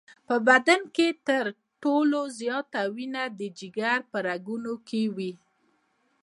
په بدن کې تر ټولو زیاته وینه د جگر په رګونو کې وي.